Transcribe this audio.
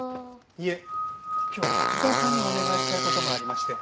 いえ今日は滝沢さんにお願いしたい事がありまして。